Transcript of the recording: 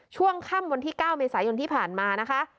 ช่วงข้ามบนที่เก้าในสายนที่ผ่านมานะคะ